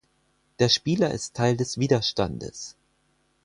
Der Spieler ist Teil des Widerstandes.